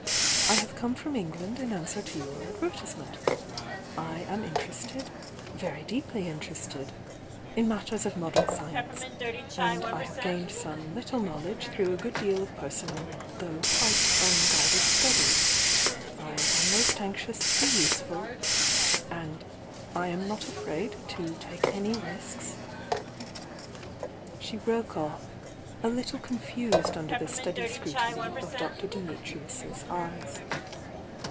"I have come from England in answer to your advertisement. I am interested — very deeply interested — in matters of modern sci ence, and I have gained some little knowledge through a good deal of personal, though quite un guided study. I am most anxious to be useful — and I am not afraid to take any risks " She broke off, a little confused under the steady scrutiny of Dr. Dimitrius's eyes.